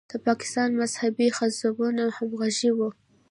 د پاکستان مذهبي حزبونه همغږي وو.